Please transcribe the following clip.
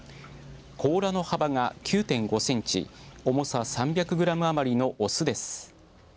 甲羅の幅が９．５センチ重さ３００グラム余りの雄です。